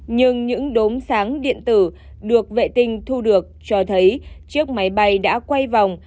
nhưng những đốm sáng điện tử được vệ tinh thu được cho thấy chiếc máy bay đã quay vòng